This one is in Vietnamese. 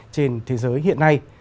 trên thế giới hiện nay